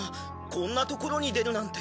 こんな所に出るなんて。